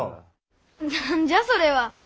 何じゃそれは。